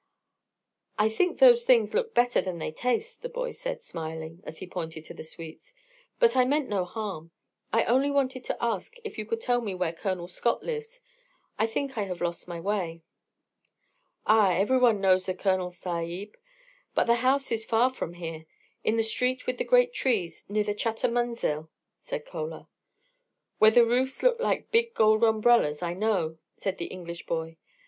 "I think those things look better than they taste," the boy said, smiling, as he pointed to the sweets; "but I meant no harm. I only wanted to ask if you could tell me where Colonel Scott lives. I think I have lost my way." "Ah, every one knows the Colonel Sahib; but the house is far from here; in the street with the great trees near the Chutter Munzil," said Chola. "Where the roofs look like big gold umbrellas, I know," said the English boy.